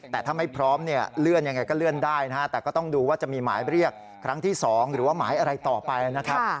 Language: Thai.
แต่ถ้าไม่พร้อมเนี่ยเลื่อนยังไงก็เลื่อนได้นะฮะแต่ก็ต้องดูว่าจะมีหมายเรียกครั้งที่๒หรือว่าหมายอะไรต่อไปนะครับ